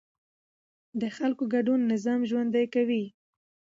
د خلکو ګډون نظام ژوندی کوي